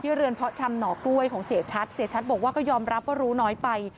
เรือนเพาะชำหน่อกล้วยของเสียชัดเสียชัดบอกว่าก็ยอมรับว่ารู้น้อยไป